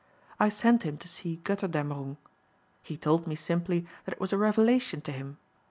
I sent him to see Götterdämmerung. He told me simply that it was a revelation to him.